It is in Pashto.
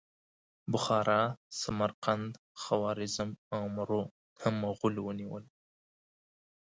بخارا، سمرقند، خوارزم او مرو هم مغولو ونیول.